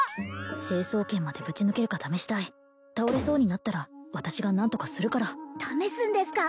成層圏までぶち抜けるか試したい倒れそうになったら私が何とかするから試すんですか？